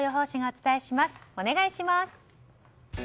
お願いします。